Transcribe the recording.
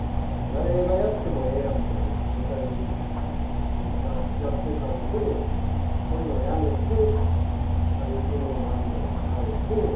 誰がやってもええやんみたいなネタになっちゃってたんでそういうのをやめてしゃべくりの漫才に変えて。